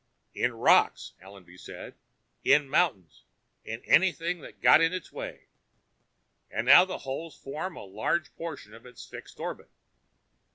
"In rocks," Allenby said, "in mountains, in anything that got in its way. And now the holes form a large portion of its fixed orbit."